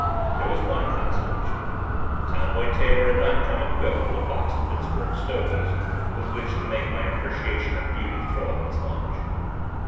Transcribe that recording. There was one consolation. Tomboy Taylor had not come equipped with a box of Pittsburgh stogies with which to make my appreciation of beauty throw up its lunch.